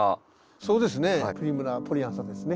そうですね。